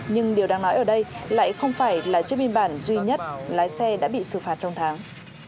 nhưng điều đang nói ở đây lại không phải là chiếc biên bản duy nhất lái xe đã bị xử phạt trong tháng